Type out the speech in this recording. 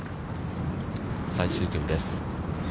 最終組です。